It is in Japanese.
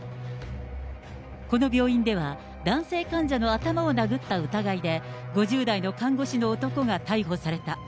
この病院では、男性患者の頭を殴った疑いで、５０代の看護師の男が逮捕された。